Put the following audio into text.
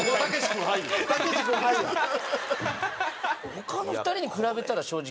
他の２人に比べたら正直。